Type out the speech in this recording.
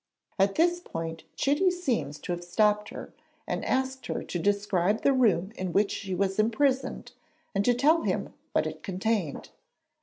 At this point Chitty seems to have stopped her, and asked her to describe the room in which she was imprisoned and to tell him what it contained.